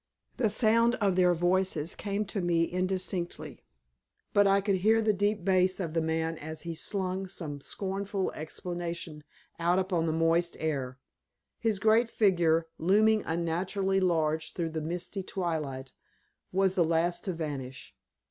The sound of their voices came to me indistinctly; but I could hear the deep bass of the man as he slung some scornful exclamation out upon the moist air. His great figure, looming unnaturally large through the misty twilight, was the last to vanish.